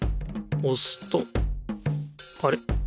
おすとあれ？